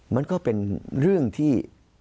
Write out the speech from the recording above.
มันก็เป็นเรื่องที่